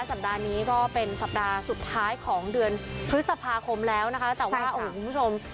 สัปดาห์นี้ก็เป็นสัปดาห์สุดท้ายของเดือนพฤษภาคมแล้วนะคะแต่ว่าโอ้โหคุณผู้ชม